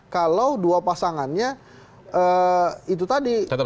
kalau dua pasangannya itu tadi